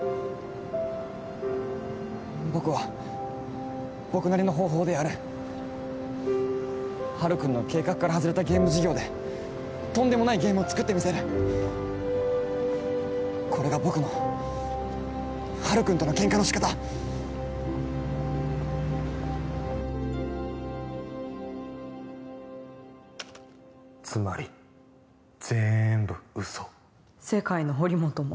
僕は僕なりの方法でやるハルくんの計画から外れたゲーム事業でとんでもないゲームを作ってみせるこれが僕のハルくんとのケンカのしかたつまりぜーんぶウソ世界の堀本も？